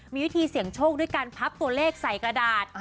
มีวิธีเสี่ยงโชคด้วยการพับตัวเลขใส่กระดาษ